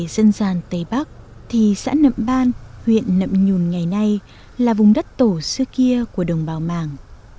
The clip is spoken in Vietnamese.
giãn nậm ban huyện nậm nhùn ngày nay là vùng đất tổ xưa kia của đồng bào mạng